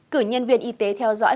cử nhân viên y tế theo dõi